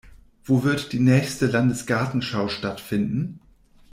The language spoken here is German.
Wo wird die nächste Landesgartenschau stattfinden?